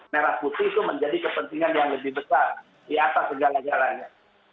merah putih itu menjadi kepentingan yang lebih besar di atas segala jalannya